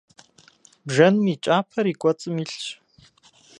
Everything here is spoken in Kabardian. Бжэным и кӀапэр и кӀуэцӀым илъщ.